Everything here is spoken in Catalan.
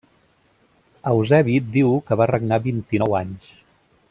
Eusebi diu que va regnar vint-i-nou anys.